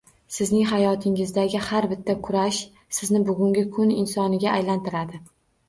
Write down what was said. Sizning hayotingizdagi har bitta kurash sizni bugungi kun insoniga aylantiradi